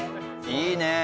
いいね。